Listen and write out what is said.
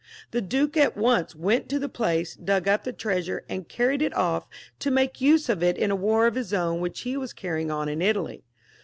The duke at once went to the place, dug up the treasure, and carried it off to make use of it in a war of his own which he was carrying on in Italy.